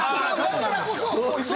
だからこそ。